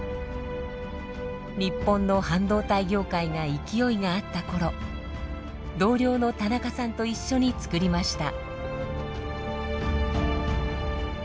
日本の半導体業界が勢いがあった頃同僚の田中さんと一緒につくりました。